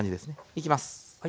いきます。